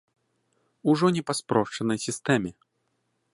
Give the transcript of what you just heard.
Ужо не па спрошчанай сістэме.